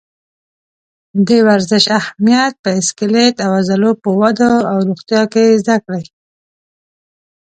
د ورزش اهمیت په سکلیټ او عضلو په وده او روغتیا کې زده کړئ.